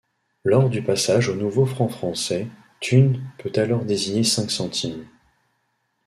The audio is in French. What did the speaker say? Lors du passage aux nouveaux francs français, thune peut alors désigner cinq centimes.